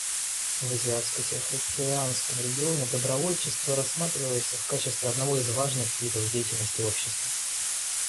В Азиатско-Тихоокеанском регионе добровольчество рассматривается в качестве одного из важных видов деятельности общества.